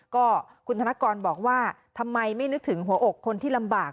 ก็คุณธนกรบอกว่าทำไมไม่นึกถึงหัวอกคนที่ลำบาก